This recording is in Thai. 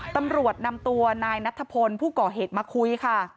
ตำรวจนำตัวนายนัทธพลผู้ก่อเหตุมาคุยค่ะ